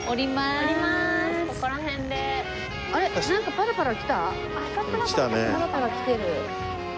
パラパラきてる。